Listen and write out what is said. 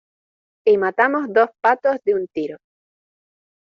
y matamos dos patos de un tiro.